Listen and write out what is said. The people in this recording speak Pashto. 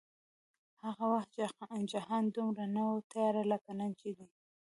هغه وخت جهان دومره نه و تیاره لکه نن چې دی